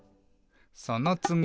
「そのつぎ」